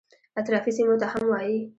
اطرافي سیمو ته هم وایي.